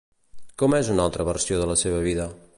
Com és una altra versió de la seva vida?